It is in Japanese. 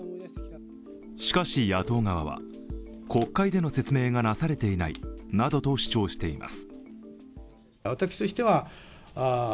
しかし野党側は、国会での説明がなされていないなどと主張しています。